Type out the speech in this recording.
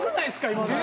今の。